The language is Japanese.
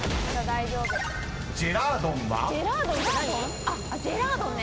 ジェラードンね。